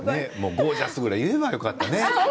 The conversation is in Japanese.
ゴージャスぐらい言えばよかったね。